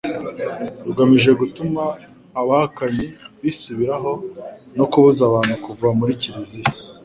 rugamije gutuma abahakanyi bisubiraho no kubuza abantu kuva muri kiliziya